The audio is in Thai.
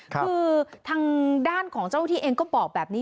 คือทางด้านของเจ้าหน้าที่เองก็บอกแบบนี้